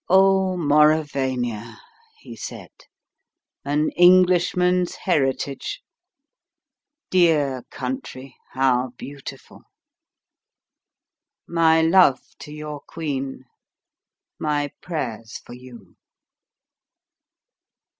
"Oh, Mauravania!" he said. "An Englishman's heritage! Dear country, how beautiful! My love to your Queen my prayers for you."